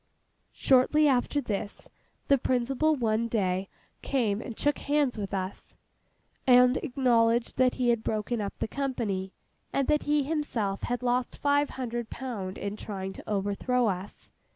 Shortly after this, the principal one day came and shook hands with us, and acknowledged that he had broken up the company, and that he himself had lost five hundred pound in trying to overthrow us.